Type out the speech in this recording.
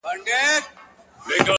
o چي سترگو ته يې گورم، وای غزل لیکي،